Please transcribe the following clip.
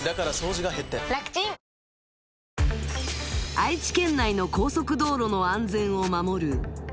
愛知県内の高速道路の安全を守る